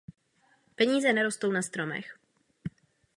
Peníze nerostou na stromech.